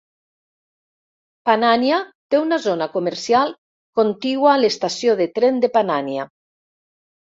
Panania té una zona comercial contigua a l'estació de tren de Panania.